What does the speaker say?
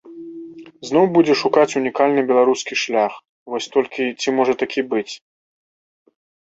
Зноў будзе шукаць унікальны беларускі шлях, вось толькі ці можа такі быць?